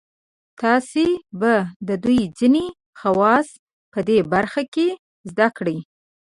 تاسې به د دوی ځینې خواص په دې برخه کې زده کړئ.